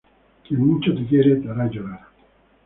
Quien mucho te quiere, te hará llorar